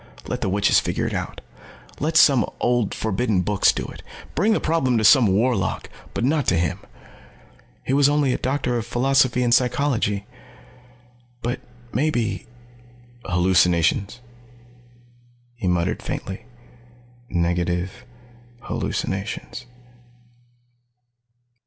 Let the witches figure it out. Let some old forbidden books do it. Bring the problem to some warlock. But not to him. He was only a Doctor of Philosophy in Psychology. But maybe "Hallucinations," he muttered faintly. "Negative hallucinations."